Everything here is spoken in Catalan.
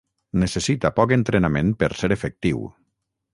Necessita poc entrenament per ser efectiu.